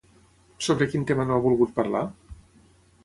Sobre quin tema no ha volgut parlar?